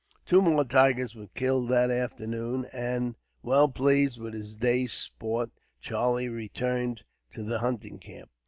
Two more tigers were killed that afternoon and, well pleased with his day's sport, Charlie returned to the hunting camp.